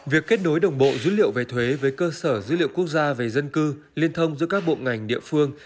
việc kết nối đồng bộ dữ liệu về thuế với cơ sở dữ liệu quốc gia về dân cư liên thông giữa các bộ ngành địa phương